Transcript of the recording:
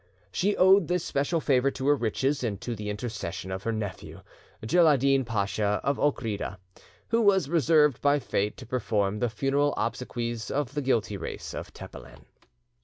She owed this special favour to her riches and to the intercession of her nephew, Djiladin Pacha of Ochcrida, who was reserved by fate to perform the funeral obsequies of the guilty race of Tepelen.